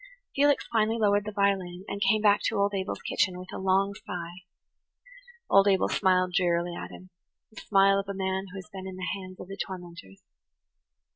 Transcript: Felix finally lowered the violin, and came back to old Abel's kitchen with a long sigh. Old Abel smiled drearily at him–the smile of a man who has been in the hands of the tormentors.